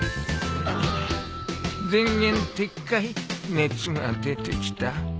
前言撤回熱が出てきた。